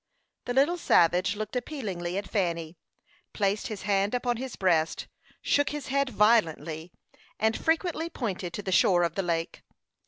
The little savage looked appealingly at Fanny, placed his hand upon his breast, shook his head violently, and frequently pointed to the shore of the lake.